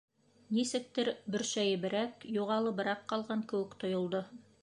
Нисектер бөршәйеберәк, юғалыбыраҡ ҡалған кеүек тойолдо.